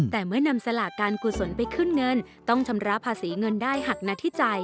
แต่เมื่อนำสลากการกุศลไปขึ้นเงินต้องชำระภาษีเงินได้หักหน้าที่จ่าย